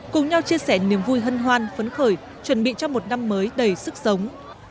cùng nhau chia sẻ niềm vui hân hoan phấn khởi chuẩn bị cho một năm mới đầy sức sống